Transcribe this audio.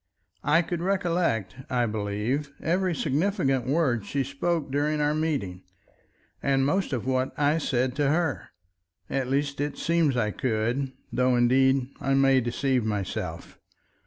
I could recollect, I believe, every significant word she spoke during our meeting, and most of what I said to her. At least, it seems I could, though indeed I may deceive myself.